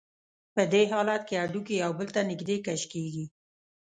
په دې حالت کې هډوکي یو بل ته نږدې کش کېږي.